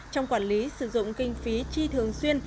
trong quản lý sử dụng kinh phí chi thường xuyên